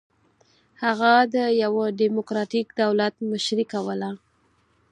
هغه د یوه ډیموکراټیک دولت مشري کوله.